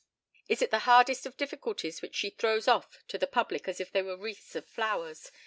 Is it the hardest of difficulties, which she throws off to the public as if they were wreaths of flowers?